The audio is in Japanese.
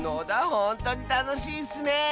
ほんとにたのしいッスね！